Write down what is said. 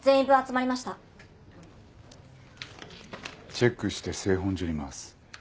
チェックして製本所に回す。